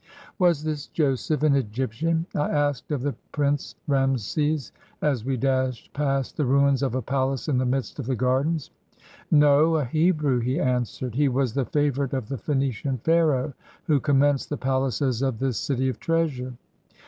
"Was this Joseph an Egyptian?" I asked of the Prince Rameses, as we dashed past the ruins of a palace in the midst of the gardens. "No, a Hebrew," he answered. "He was the favorite of the Phoenician Pharaoh who commenced the palaces of this City of Treasure."